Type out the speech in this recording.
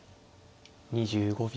２５秒。